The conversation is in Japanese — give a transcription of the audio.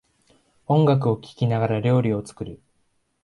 音楽を聴きながら料理を作る